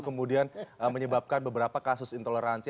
kemudian menyebabkan beberapa kasus intoleransi